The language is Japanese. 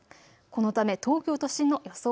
このため東京都心の予想